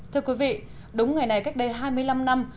thưa quý vị đúng người này cách đây hai mươi năm năm